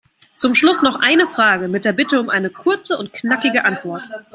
Zum Schluss noch eine Frage mit der Bitte um eine kurze und knackige Antwort.